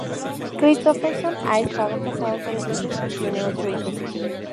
Kristofferson ha estado casado tres veces y tiene ocho hijos.